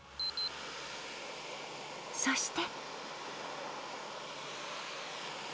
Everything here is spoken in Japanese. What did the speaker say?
そして。